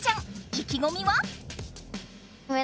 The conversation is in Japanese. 意気ごみは？